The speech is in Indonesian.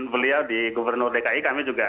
beliau di gubernur dki kami juga